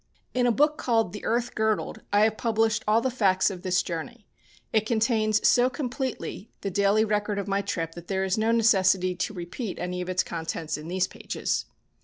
In a book called "The Earth Girdled," I have published all the facts of this journey. It contains so completely the daily record of my trip that there is no necessity to repeat any of its contents in these pages.